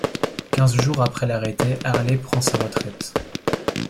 Quinze jours après l'arrêté, Harlay prend sa retraite.